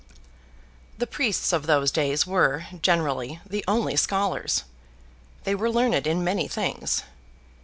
The priests of those days were, generally, the only scholars. They were learned in many things.